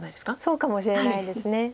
そうかもしれないです。